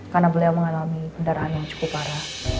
karena beliau mengalami pendarahan yang cukup parah